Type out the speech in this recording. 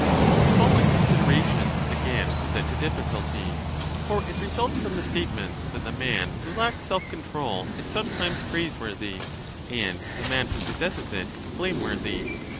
The following considerations again present a difficulty. For it results from the statements that the man who lacks self control is sometimes praiseworthy and the man who possesses it blameworthy.